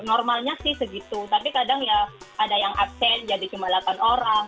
normalnya sih segitu tapi kadang ya ada yang absen jadi cuma delapan orang